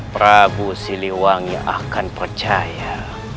prabu siluang yang akan percaya